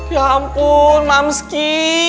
ya ampun mamski